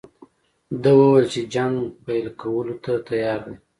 ده وویل چې جنګ پیل کولو ته تیار دی.